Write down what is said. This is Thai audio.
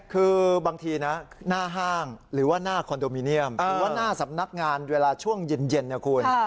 คือบางทีนะหน้าห้างหรือว่าหน้าคอนโดมิเนียมหรือว่าหน้าสำนักงานเวลาช่วงเย็นนะคุณ